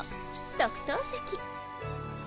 特等席。